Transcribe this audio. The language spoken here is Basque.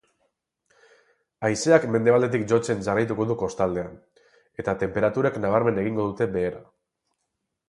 Haizeak mendebaldetik jotzen jarraituko du kostaldean, eta tenperaturek nabarmen egingo dute behera.